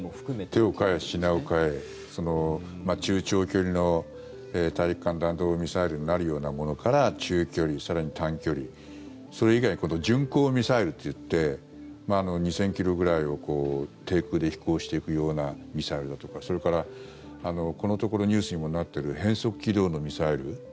手を替え品を替え中長距離の大陸間弾道ミサイルになるようなものから中距離、更に単距離それ以外に巡航ミサイルといって２０００ｋｍくらいを低空で飛行していくようなミサイルだとかそれから、このところニュースにもなっている変則軌道のミサイル。